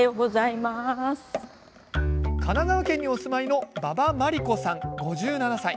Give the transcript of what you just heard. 神奈川県にお住まいの馬場真理子さん、５７歳。